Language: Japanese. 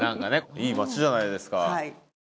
いい町じゃないですか。